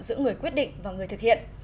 giữa người quyết định và người thực hiện